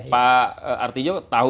saya tidak tahu